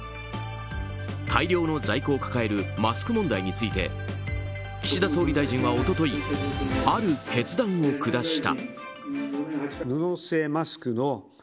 大量の在庫を抱えるマスク問題について岸田総理大臣は一昨日ある決断を下した。